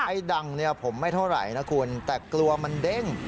ดังเนี่ยผมไม่เท่าไหร่นะคุณแต่กลัวมันเด้ง